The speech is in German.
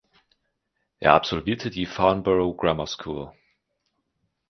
Er absolvierte die Farnborough Grammar School.